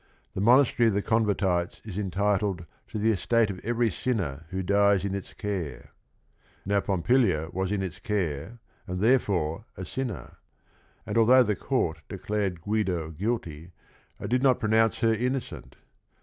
The Monastery of the Con vertites is entitled to the estate of every sinner who dies in its care. Now Pompilia was in its care and therefore a "sinner"; and although the court declared Guido guilty, it did not pronounce her innocent.